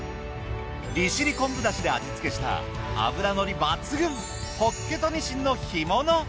利尻昆布だしで味付けした脂乗り抜群ホッケとにしんの干物。